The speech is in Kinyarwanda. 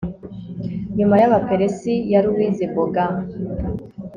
nyuma y'abaperesi ya louise bogan